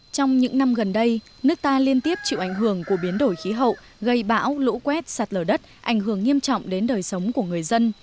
trong những năm gần đây nước ta liên tiếp chịu ảnh hưởng của biến đổi khí hậu gây bão lũ quét sạt lở đất ảnh hưởng nghiêm trọng đến đời sống của người dân